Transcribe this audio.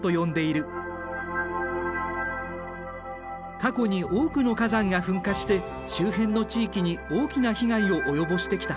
過去に多くの火山が噴火して周辺の地域に大きな被害を及ぼしてきた。